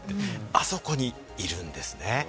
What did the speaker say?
あそこにいるんですね。